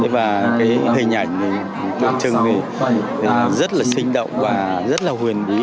và cái hình ảnh trường trưng thì rất là sinh động và rất là huyền bí